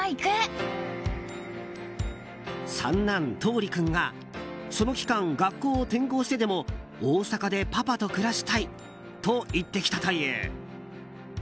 三男・橙利君がその期間、学校を転校してでも大阪でパパと暮らしたいと言ってきたという。